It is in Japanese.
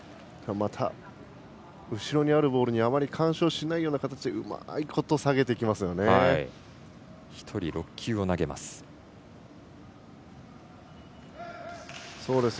また後ろにあるボールにあまり干渉しないような形で１人６球を投げます。